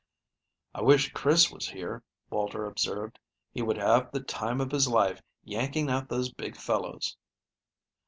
"I wish Chris was here," Walter observed. "He would have the time of his life yanking out those big fellows."